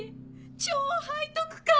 超背徳感！